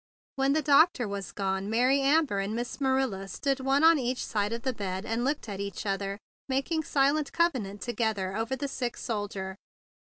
When the doctor was gone, Mary Amber and Miss Marilla stood one on each side of the bed, and looked at each other, making silent covenant together over the sick soldier.